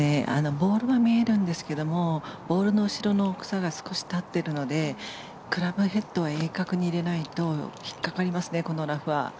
ボールは見えるんですがボールの後ろの草が少し立っているのでクラブヘッドを鋭角に入れないと引っかかりますね、このラフは。